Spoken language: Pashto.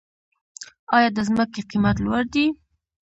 آیا د ځمکې قیمت لوړ دی؟